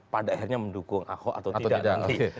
pada akhirnya mendukung aho atau tidak